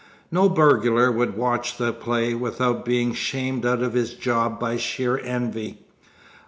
No burglar could watch the play without being shamed out of his job by sheer envy.